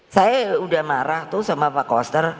saya udah marah tuh sama pak koster